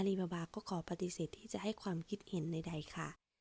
บาบาก็ขอปฏิเสธที่จะให้ความคิดเห็นใดค่ะ